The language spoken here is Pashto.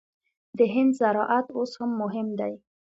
د هند زراعت اوس هم مهم دی.